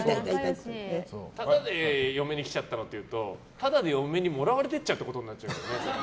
タダで嫁に来ちゃったっていうとタダで嫁にもらわれてっちゃうってことになるからね。